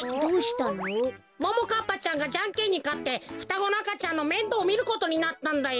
ももかっぱちゃんがじゃんけんにかってふたごのあかちゃんのめんどうみることになったんだよ。